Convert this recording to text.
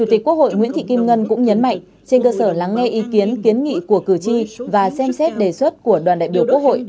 chủ tịch quốc hội nguyễn thị kim ngân cũng nhấn mạnh trên cơ sở lắng nghe ý kiến kiến nghị của cử tri và xem xét đề xuất của đoàn đại biểu quốc hội